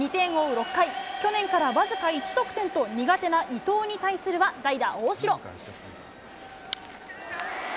６回、去年から僅か１得点と、苦手な伊藤に対するは代打、大城。